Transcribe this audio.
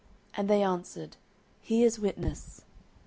And they answered, He is witness.